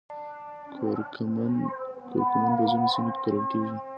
کورکمن په ځینو سیمو کې کرل کیږي